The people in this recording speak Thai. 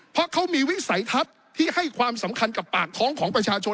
เพราะเขามีวิสัยทัศน์ที่ให้ความสำคัญกับปากท้องของประชาชน